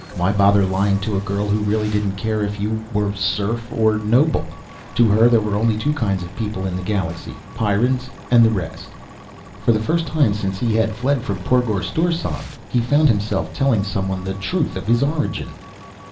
Why bother lying to a girl who really didn't care if you were serf or noble? To her there were only two kinds of people in the galaxy Pyrrans, and the rest. For the first time since he had fled from Porgorstorsaand he found himself telling someone the truth of his origin.